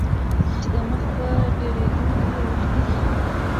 چې د مخ په ډیریدونکي غوښتنې